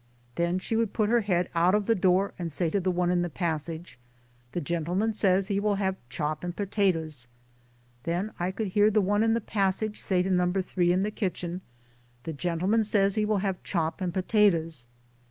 Then she would put her head out of the door and say to the one in the passage " The gentleman says he 'will have chgp and potatoes." Then I could hear the one in the passage say to No. 3 in the kitchen " The gentleman says he will have chop and potatoes."